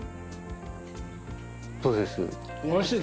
どうです？